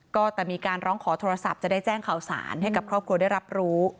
ก็แต่มีการร้องขอโทรศัพท์จะได้แจ้งข่าวสารให้กับครอบครัวได้รับรู้